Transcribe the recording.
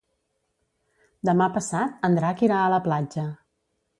Demà passat en Drac irà a la platja.